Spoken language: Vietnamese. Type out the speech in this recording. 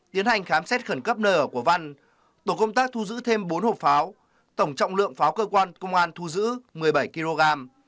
tiến hành khám xét khẩn cấp nơi ở của văn tổ công tác thu giữ thêm bốn hộp pháo tổng trọng lượng pháo cơ quan công an thu giữ một mươi bảy kg